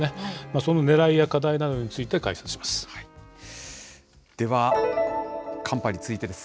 そのねらいや課題などについて解説します。